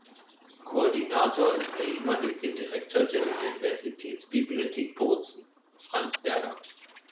Koordinator ist der ehemalige Direktor der Universitätsbibliothek Bozen, Franz Berger.